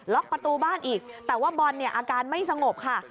ประตูบ้านอีกแต่ว่าบอลเนี่ยอาการไม่สงบค่ะ